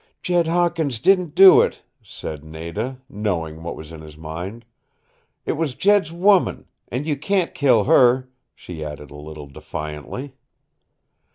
"Jed Hawkins didn't do it," said Nada, knowing what was in his mind. "It was Jed's woman. And you can't kill her!" she added a little defiantly.